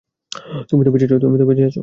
তুমি তো বেঁচে আছো!